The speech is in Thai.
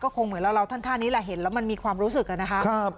คงเหมือนเราท่านนี้แหละเห็นแล้วมันมีความรู้สึกอะนะคะ